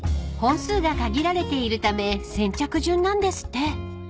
［本数が限られているため先着順なんですって］